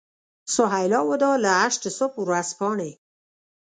سهیلا وداع له هشت صبح ورځپاڼې.